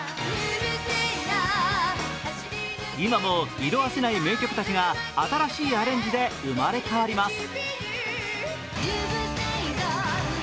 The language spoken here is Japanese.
今も色あせない名曲たちが新しいアレンジで生まれ変わります。